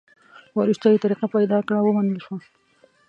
وروسته یې طریقه پیدا کړه؛ ومنل شوه.